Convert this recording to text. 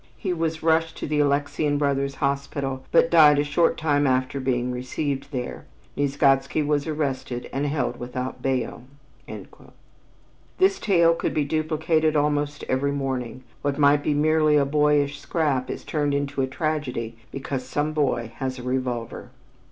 He was rushed to the Alexian Brothers' Hospital, but died a short time after being received there. Nieczgodzki was arrested and held without bail." This tale could be duplicated almost every morning; what might be merely a boyish scrap is turned into a tragedy because some boy has a revolver.